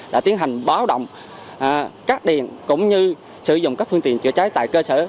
đã tiến hành báo động cắt điện cũng như sử dụng các phương tiện chữa cháy tại cơ sở